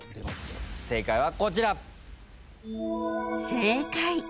正解はこちら。